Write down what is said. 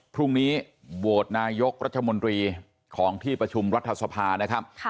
พรุ่งนี้โหวตนายกรัฐมนตรีของที่ประชุมรัฐสภานะครับ